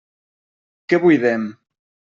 Què buidem?